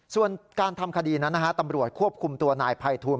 ส่วนการทำคดีนั้นนะฮะตำรวจควบคุมตัวนายภัยทูล